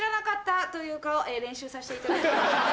練習させていただきます。